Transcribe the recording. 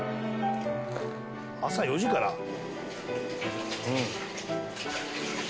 朝４時から？